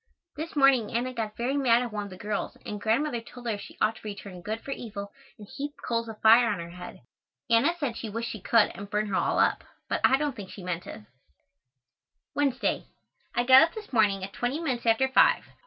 This morning Anna got very mad at one of the girls and Grandmother told her she ought to return good for evil and heap coals of fire on her head. Anna said she wished she could and burn her all up, but I don't think she meant it. Wednesday. I got up this morning at twenty minutes after five.